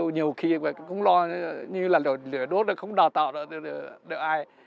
nhiều khi cũng lo như là lửa đốt được không đào tạo được được ai